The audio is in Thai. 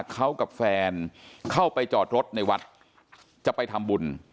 เขากับแฟนเข้าไปจอดรถในวัดจะไปทำบุญ